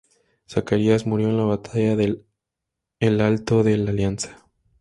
Zacarías murió en la batalla de El Alto de la Alianza.